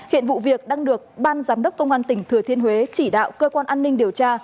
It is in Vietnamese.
hiện vụ việc đang được ban giám đốc công an tỉnh thừa thiên huế chỉ đạo cơ quan an ninh điều tra